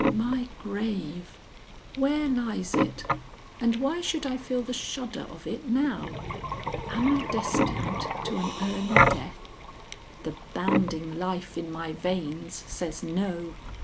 My grave! where lies it, and why should I feel the shudder of it now? Am I destined to an early death? The bounding life in my veins says no.